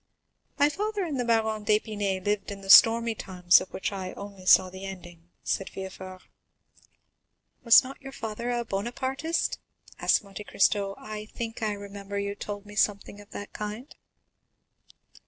"My father and the Baron d'Épinay lived in the stormy times of which I only saw the ending," said Villefort. "Was not your father a Bonapartist?" asked Monte Cristo; "I think I remember that you told me something of that kind."